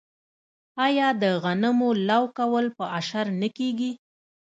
آیا د غنمو لو کول په اشر نه کیږي؟